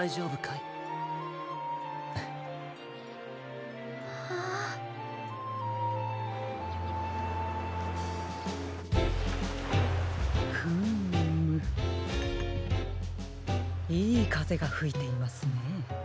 いいかぜがふいていますね。